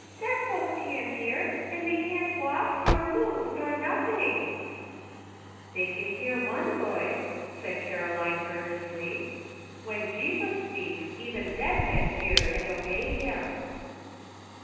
Dead folks can't hear, and they can't walk, nor move, nor nothing !" "They can hear one voice," said Caroline earnestly. " When Jesus speaks even dead men hear and obey him."